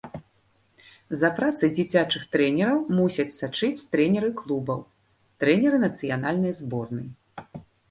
За працай дзіцячых трэнераў мусяць сачыць трэнеры клубаў, трэнеры нацыянальнай зборнай.